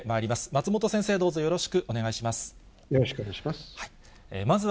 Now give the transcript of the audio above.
松本先生、よろしくお願いします。